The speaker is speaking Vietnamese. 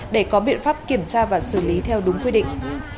để có biện pháp kiểm tra và xử lý theo đúng quy định